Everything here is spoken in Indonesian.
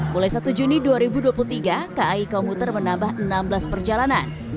mulai satu juni dua ribu dua puluh tiga kai komuter menambah enam belas perjalanan